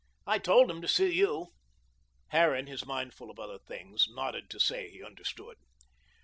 I told him to see you." Harran, his mind full of other things, nodded to say he understood.